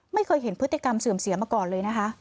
ไม่เคยเห็นพฤติกรรมเสื่อมเสียมาก่อนเลยนะคะ